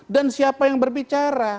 dan siapa yang berbicara